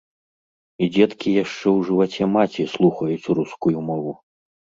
І дзеткі яшчэ ў жываце маці слухаюць рускую мову.